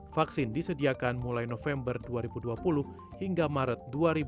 vaksin disediakan mulai november dua ribu dua puluh hingga maret dua ribu dua puluh